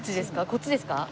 こっちですか？